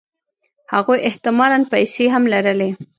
هغوی احتمالاً پیسې هم لرلې